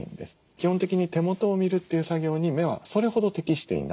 基本的に手元を見るという作業に目はそれほど適していない。